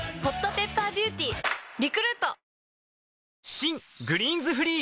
新「グリーンズフリー」